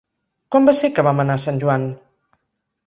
Quan va ser que vam anar a Sant Joan?